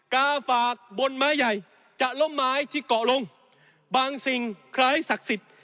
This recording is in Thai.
กาฝากบนไม้ใหญ่จะล้มไม้ที่เกาะลงบางสิ่งคล้ายศักดิ์สิทธิ์